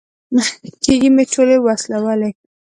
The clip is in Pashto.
کېږې مې ټولې ولوسلې.